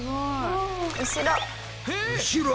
後ろ！